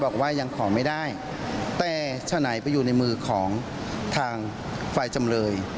คือของทางฝ่ายจำเลย